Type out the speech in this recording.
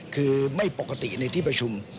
คือไม่ปกติในที่ประชุม